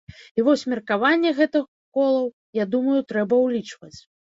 І вось меркаванне гэтых колаў, я думаю, трэба ўлічваць.